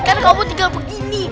kan kamu tinggal begini